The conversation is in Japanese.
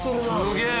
すげえ！